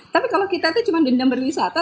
tapi kalau kita itu cuma dendam berwisata